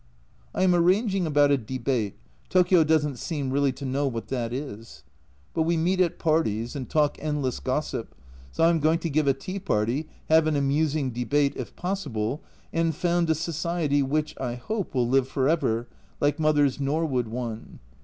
I am arranging about a Debate, Tokio doesn't seem really to know what that is ! But we meet at parties and talk endless gossip, so I am going to give a tea party, have an amusing Debate (if possible), and found a society which, I hope, will live for ever, like Mother's Norwood one.